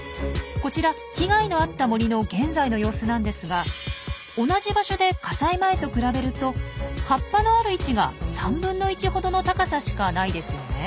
こちら被害のあった森の現在の様子なんですが同じ場所で火災前と比べると葉っぱのある位置が３分の１ほどの高さしかないですよね？